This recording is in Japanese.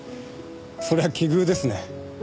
そりゃ奇遇ですね。